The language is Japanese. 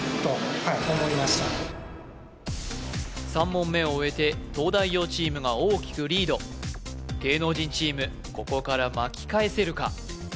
３問目を終えて東大王チームが大きくリード芸能人チームここから巻き返せるか？